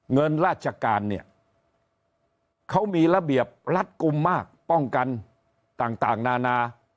เงินราชการเนี่ยเขามีระเบียบรัดกลุ่มมากป้องกันต่างนานา